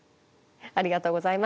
ありがとうございます。